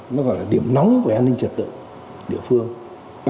nó gọi là điểm nóng của an ninh trật tự địa phương